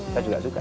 saya juga suka